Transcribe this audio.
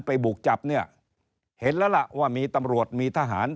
บุกจับเนี่ยเห็นแล้วล่ะว่ามีตำรวจมีทหาร